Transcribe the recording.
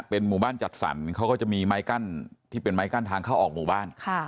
เป็นหมู่บ้านจัดสรรเขาก็จะมีไม้กั้นที่เป็นไม้กั้นทางเข้าออกหมู่บ้าน